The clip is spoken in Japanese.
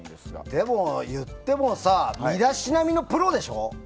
でも言ってもさ身だしなみのプロでしょ？